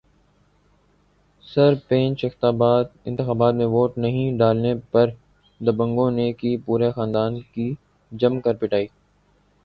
سرپنچ انتخابات میں ووٹ نہیں ڈالنے پر دبنگوں نے کی پورے خاندان کی جم کر پٹائی